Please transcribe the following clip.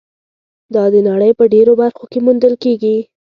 دا د نړۍ په ډېرو برخو کې موندل کېږي.